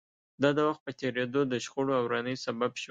دا د وخت په تېرېدو د شخړو او ورانۍ سبب شوه